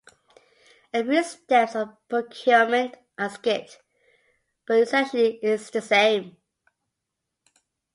A few steps of procurement are skipped, but essentially it's the same.